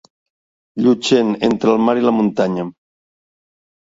Llutxent, entre el mar i la muntanya.